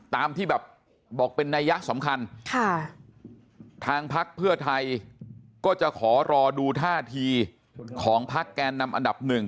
ตามที่แบบบอกเป็นนัยยะสำคัญทางพักเพื่อไทยก็จะขอรอดูท่าทีของพักแกนนำอันดับหนึ่ง